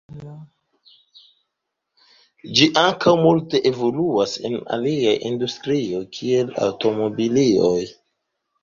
Ĝi ankaŭ multe evoluas en aliaj industrioj kiel aŭtomobiloj.